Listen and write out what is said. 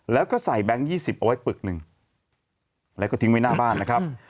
แล้วก็ใส่แบงค์๒๐เอาไว้ปึก๑ถึงไว้หน้าบ้านนะครับ